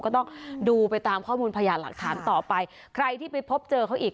ก็ต้องดูไปตามข้อมูลพยานหลักฐานต่อไปใครที่ไปพบเจอเขาอีก